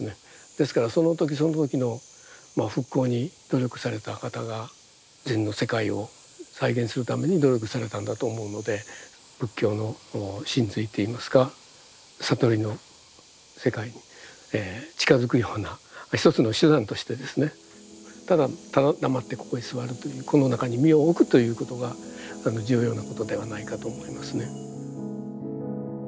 ですからその時その時の復興に努力された方が禅の世界を再現するために努力されたんだと思うので仏教の神髄っていいますか悟りの世界に近づくような一つの手段としてですねただただ黙ってここへ座るというこの中に身を置くということが重要なことではないかと思いますね。